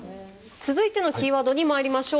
続いてのキーワードに参りましょう。